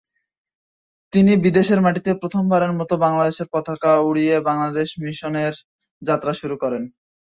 তিনি বিদেশের মাটিতে প্রথমবারের মতো বাংলাদেশের পতাকা উড়িয়ে বাংলাদেশ মিশনের যাত্রা শুরু করেন।